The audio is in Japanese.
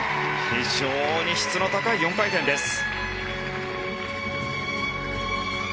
非常に質の高い４回転です。